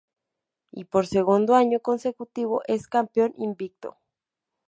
Y por segundo año consecutivo es campeón invicto.